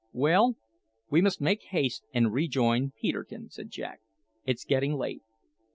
"Well, we must make haste and rejoin Peterkin," said Jack; "it's getting late."